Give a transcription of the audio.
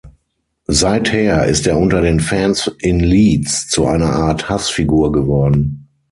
Seither ist er unter den Fans in Leeds zu einer Art Hassfigur geworden.